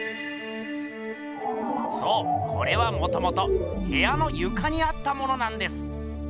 そうこれはもともとへやのゆかにあったものなんです。